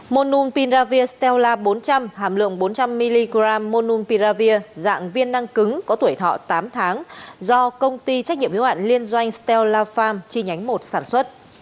monupiravir stella bốn trăm linh hàm lượng bốn trăm linh mg monupiravir dạng viên năng cứng có tuổi thọ tám tháng do công ty trách nhiệm hiệu hạn liên doanh stella pharm chi nhánh một sản xuất